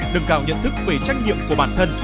nâng cao nhận thức về trách nhiệm của bản thân